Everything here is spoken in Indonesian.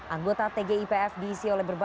anggota tg ipf diisi oleh berbunyi